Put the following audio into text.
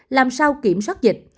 làm sao kiểm soát dịch